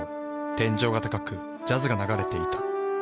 天井が高くジャズが流れていた。